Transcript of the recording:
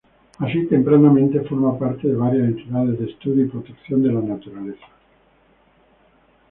Así tempranamente forma parte de varias entidades de estudio y protección de la naturaleza.